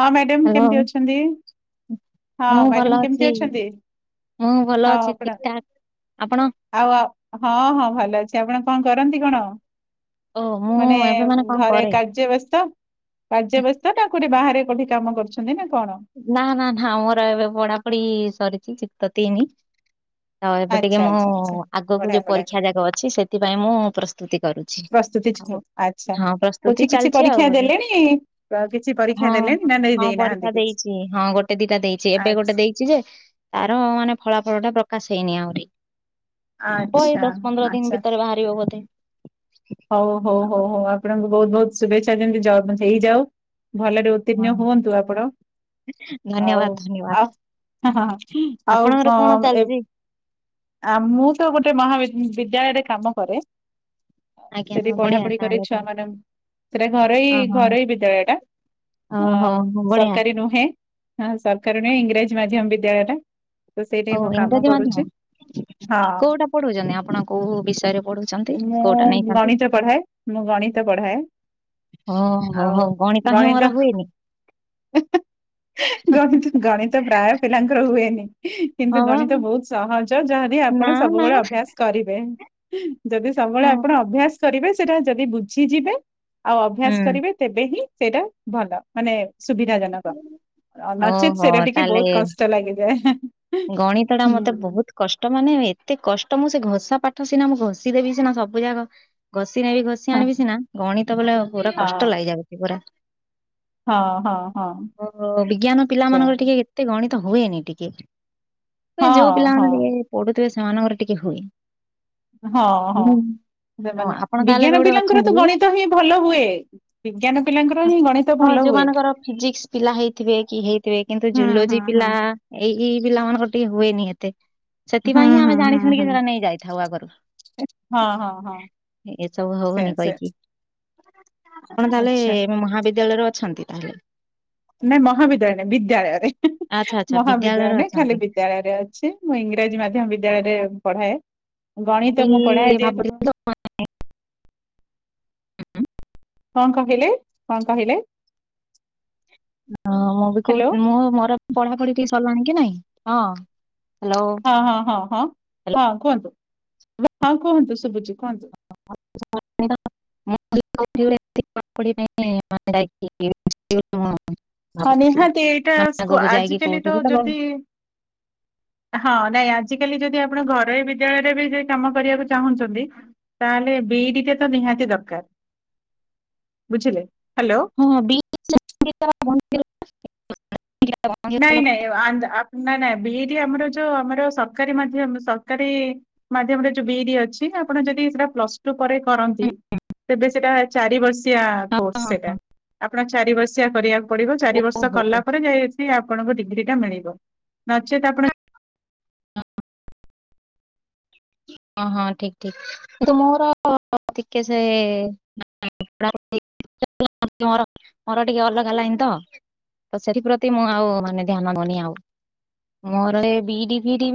ହଁ madam hello କେମିତି ଅଛନ୍ତି ହଁ ମ୍ୟାଡ଼ମ୍ କେମିତି ଅଛନ୍ତି? ହଁ ମୁଁ ଭଲ ଅଛି ଠିକ୍ ଠାକ୍। ଆପଣ? ଆଉ ହଁ ହଁ ଭଲ ଅଛି। ଆପଣ କଣ କରନ୍ତି କଣ? ଓ ମୁଁ ମାନେ ଏବେ କଣ ଘରେ କରେ? କାର୍ଯ୍ୟ ବ୍ୟସ୍ତ। କାର୍ଯ୍ୟବ୍ୟସ୍ତ ନା କୋଉଠି ବାହାରେ କୋଉଠି କାମ କରୁଛନ୍ତି ନା କଣ? ନା ନା ନା ମୋର ଏବେ ପଢା ପଢି ସରିଛି ଯୁକ୍ତ ତିନି। ହଁ ଏବେ ଟିକେ ଆଚ୍ଛା ମୁଁ ଆଚ୍ଛା ଆଚ୍ଛା ଆଗକୁ ବଢିଆ ଯୋଉ ବଢିଆ ପରୀକ୍ଷା ଯାକ ଅଛି ସେଥିପାଇଁ ମୁଁ ପ୍ରସ୍ତୁତି କରୁଛି। ପ୍ରସ୍ତୁତି ଆଉ ଚାଲି- ଆଚ୍ଛା। ହଁ ହଉଛି ପ୍ରସ୍ତୁତି କିଛି ଚାଲିଛି ଆଉ ପରୀକ୍ଷା ଏବେ। ଦେଲେଣି ଅ, କିଛି ପରୀକ୍ଷା ହଁ ଦେଲେଣି ନା ଦେଇ ହଁ ଦେଇନାହାନ୍ତି ପରୀକ୍ଷା କିଛି? ଦେଇ ଚି। ହଁ ଗୋଟେ ଦିଟା ଦେଇଚି। ଏବେ ଆଚ୍ଛା ଗୋଟେ ଦେଇ ଚି ଯେ ତାର ମାନେ ଫଳାଫଳ ଟା ପ୍ରକାଶ ହେଇନି ଆହୁରି। ହବ ଏଇ ଆଚ୍ଛା ଦଶ, ପନ୍ଦର ଦିନ ଆଚ୍ଛା। ଭିତରେ ବାହାରିବ ବୋଧେ। ହଉ ହଉ ହଉ ହଉ ଆପଣଙ୍କୁ ବହୁତ ବହୁତ ଶୁଭେଚ୍ଛା ଯେମିତି ଜବ ହେଇଯାଉ। ଭଲରେ ଗୋ ହଁ ଉତ୍ତୀର୍ଣ୍ଣ ହୁଅନ୍ତୁ ଆପଣ। ଧନ୍ୟବାଦ ଆଉ ଧନ୍ୟବାଦ ଆଉ ହଁ ହଁ ହଁ ଆଉ ଆପଣଙ୍କର କଣ ହଁ ଏ ଚାଲିଛି ଆ ମୁଁ ତ ଗୋଟେ ମହାବିଦ୍ୟାଳୟରେ କାମ କରେ। ଆଜ୍ଞା ସେଠି ହଁ ପଢ଼ା ବଢିଆ ପାଢି କରେ ତାହେଲେ ତ ଛୁଆ ମାନଙ୍କୁ। ସେଟା ଘରୋଇ ଓହୋ ଘରୋଇ ବିଦ୍ୟାଳୟ ଟା। ଓହୋ ଆଉ ବଢିଆ। ସରକାରୀ ନୁହେଁ। ହଁ, ସରକାରୀ ନୁହେଁ ଇଂରାଜୀ ମାଧ୍ୟମ ବିଦ୍ୟାଳୟ ଟା। ତ ସେଇଠି ହଉ ମୁଁ କାମ କରୁଚି, ହଁ। ପଢୁଛନ୍ତି ଆପଣ କୋଉ ବିଷୟରେ ପଢୁଛନ୍ତି? ମୁଁ ଗଣିତ ପଢ଼ାଏ, ମୁଁ ଗଣିତ ପଢ଼ାଏ। ହ ହ ହଉ ଗଣିତ ହିଁ ମୋର ହୁଏନି। ଗଣିତ ଗଣିତ ପ୍ରାୟ ପିଲାଙ୍କର ହୁଏନି। ହଁ କିନ୍ତୁ ବା ଗଣିତ ବହୁତ ସହଜ। ଯାହାବି ନା ଆପଣ ନା ସବୁବେଳେ ଅଭ୍ୟାସ କରିବେ। ଯଦି ସବୁବେଳେ ହଁ। ଆପଣ ଅଭ୍ୟାସ କରିବେ, ସେଟା ଯଦି ବୁଝିଯିବେ ଆଉ ହୁଁ। ଅଭ୍ୟାସ କରିବେ ତେବେ ହିଁ ସେଇଟା ଭଲ। ମାନେ ସୁବିଧା ଜନକ। ନଚେତ୍ ଓହୋ ସେଇଟା ଟିକେ ତାହେଲେ ବହୁତ କଷ୍ଟ ଲାଗିଯାଏ। ଗଣିତ ଟା ମତେ ହୁଁ ବହୁତ କଷ୍ଟ ମାନେ ଏତେ କଷ୍ଟ ମୁଁ ସେ ଘୋଷା ପାଠ ସିନା ମୁଁ ଘଷି ଦେବି ସିନା ସବୁ ଯାକ ଘଷି ନେବି ଘଷି ହଁ ଆଣିବି ସିନା, ଗଣିତ ବୋଲେ ପୁରା କଷ୍ଟ ଲାଗିଯାଉଛି ପୁରା। ହଁ ହଁ ହଁ ଓ ବିଜ୍ଞାନ ପିଲା ମାନଙ୍କର ସେୟା। ଟିକେ କେତେ ଗଣିତ ହୁଏନି ଟିକେ। ଯୋଉ ହଁ ହଁ ପିଲାମାନେ ଟିକେ ପଢୁଥିବେ, ସେମାନଙ୍କର ଟିକେ ହୁଏ। ହଁ, ହଁ। ହୁଁ। ହଁ ସେମାନେ ଆପଣ ତାହେଲେ ଏବେ ବିଜ୍ଞାନ ଗୋଟେ ପିଲାଙ୍କର ଅଛନ୍ତି ତ ଗଣିତ ହିଁ ଭଲ ହୁଏ, ବିଜ୍ଞାନ ପିଲାଙ୍କର ହଁ ହିଁ ଗଣିତ ହଁ ଭଲ ହୁଏ। ଯୋଉମାନଙ୍କର ଫିଜିକ୍ସ ପିଲା ହେଇଥିବେ କି ହେଇଥିବେ, କିନ୍ତୁ ହୁଁ ହୁଁ ଜୁଲୋଜି ହୁଁ ପିଲା ଏଇ-ଏଇ ପିଲାମାନଙ୍କର ଟିକେ ହୁଏନି ଏତେ, ହୁଁ ସେଥିପାଇଁ ହିଁ ହୁଁ ଆମେ ଜାଣି ହୁଁ ଶୁଣିକି ହୁଁ ସେ ନେଇ ଯାଇଥାଉ ଆଗରୁ। ହଁ, ହଁ, ହଁ। ଏସବୁ ସେ ହବନି ସେ କହିକି। ଆପଣ ତାହେଲେ ଆଚ୍ଛା ମହାବିଦ୍ୟାଳୟରେ ଅଛନ୍ତି, ତାହେଲେ ନାଇଁ ମହାବିଦ୍ୟାଳୟ ନାଇଁ, ବିଦ୍ୟାଳୟରେ ଆଚ୍ଛା ଆଚ୍ଛା ବିଦ୍ୟାଳୟରେ ମହାବିଦ୍ୟାଳୟ ନାଇଁ ଖାଲି ଅଛନ୍ତି। ବିଦ୍ୟାଳୟରେ ଅଛି। ମୁଁ ଇଂରାଜୀ ମାଧ୍ୟମ ବିଦ୍ୟାଳୟରେ ପଢ଼ାଏ, ଗଣିତ ମୁଁ ପଢାଏ ଯେହତୁ ଭାବୁଥିଲି ତ, କଣ କହିଲେ କଣ କହିଲେ? ହଁ ମୁଁ ବି ହ୍ୟାଲୋ କହୁ ମୁଁ ମୋର ପଢ଼ା ପାଢ଼ୀ ଟିକେ ସିରିଲାଣି କି ନାଇଁ, ହଁ ହାଲୋ ହଁ- ହଁ -ହଁ -ହଁ -ହଁ କୁହନ୍ତୁ ହଁ କୁହନ୍ତୁ ଶୁଭୁଛି କୁହନ୍ତୁ? [unintelligible] ଭାବୁଥିଲି ହଁ ନିହାତି ଏଇଟା ମାନେ ସ୍କୁ- ଆଗକୁ ଯାଇକି ଆଜିକାଲି ତ କୋଉଠି ଗୋଟେ ଯଦି [inaudible] ହଁ ନାଇଁ ଆଜିକାଲି ଯଦି ଆପଣ ଘରୋଇ ବିଦ୍ୟାଳୟରେ ବି ଯଦି କାମ କରିବାକୁ ଚାହୁଁଛନ୍ତି ତାହେଲେ ବି ଇଡି ଟା ତ ନିହାତି ଦରକାର ବୁଝିଲେ? ହାଲୋ ହଁଁ [unintelligible] ନାଇଁ -ନାଇଁ - ନାଇଁ -ନାଇଁ ବି ଇଡି ଆମର ଯୋଉ ଆମର ସରକାରୀ ମାଧ୍ୟମ ସରକାରୀ ମାଧ୍ୟମରେ ଯୋଉ ବି ଇଡି ଅଛି ଆପଣ ଯଦି ସେଟା ପ୍ଲସ ଟୁ ପରେ କର ତେବେ ସେଟା ଚାରି ବର୍ଷୀୟା କୋର୍ସ ସେଟା। ଆପଣ ଚାରି ବର୍ଷୀୟା କରିବାକୁ ପଡ଼ିବ ଚାରି ବର୍ଷ ଓହୋ କଲା ପରେ ଯାଇ ଆପଣଙ୍କ ଡିଗ୍ରୀ ଟା ମିଳିବ, ନଚେତ୍ ଆପଣ ହଁ ହଁ ଠିକ ଠିକ କିନ୍ତୁ ମୋର ଟିକେ ସେ ମୋର ଟିକେ ଅଲଗା ଲାଇନ୍ ତ। ତ ସେଥିପ୍ରତି ମୁଁ ଆଉ ମାନେ ଧ୍ୟାନ ଦଉନି ଆଉ ମୋର ଏ ବି ଇଡି, ଫିଡି